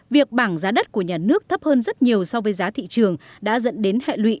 việc bảng giá đất của nhà nước thấp hơn rất nhiều so với giá thị trường đã dẫn đến hệ lụy